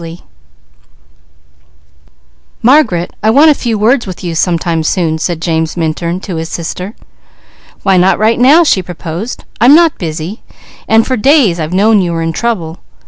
CHAPTER XIV An Orphans' Home "Margaret, I want a few words with you some time soon," said James Minturn to his sister. "Why not right now?" she proposed. "I'm not busy and for days I've known you were in trouble.